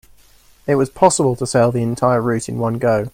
It was possible to sail the entire route in one go.